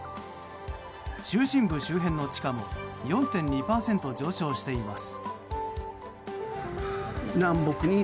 中心部周辺の地価も４．２％上昇しています。